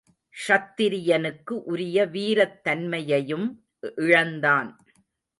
க்ஷத்திரியனுக்கு உரிய வீரத் தன்மையையும் இழந்தான்.